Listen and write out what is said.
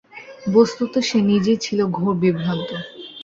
বস্তুত সে নিজেই ছিল ঘোর বিভ্রান্ত।